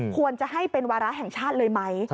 ควรจะให้เป็นวาระแห่งชาติเลยไหม